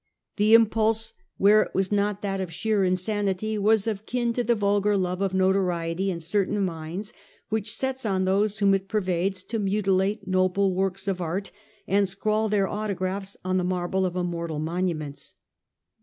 The impulse, where it was not that of sheer insanity, was of kin to the vulgar love of notoriety in certain minds which sets on those whom it pervades to mutilate noble works of art and scrawl their autographs on the marble of immortal monuments.